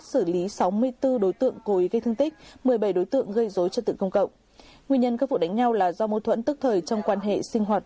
sử dụng rượu bia nguyên nhân các vụ đánh nhau là do mâu thuẫn tức thời trong quan hệ sinh hoạt